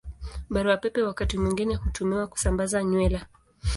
Barua Pepe wakati mwingine hutumiwa kusambaza nywila.